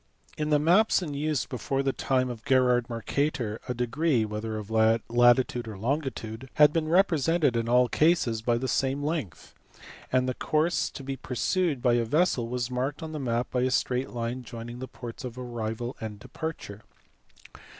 In the maps in use before the time of Gerard Mercator a degree, whether of latitude or longitude, had been represented in all cases by the same length, and the course to be pursued by a vessel was marked on the map by a straight line joining the ports of arrival and departure.